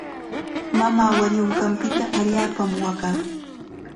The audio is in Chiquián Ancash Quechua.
Mamaa wañunqanpita allaapam waqaa.